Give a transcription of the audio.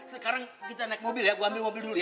sekarang kita naik mobil ya gue ambil mobil dulu ya